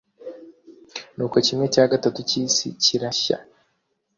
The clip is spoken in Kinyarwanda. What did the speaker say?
Nuko kimwe cya gatatu cy’isi kirashya,